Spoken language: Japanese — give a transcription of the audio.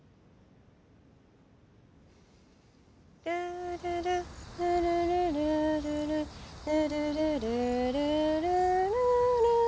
「ルールルルルルルールルルルル」「ルールールールールー」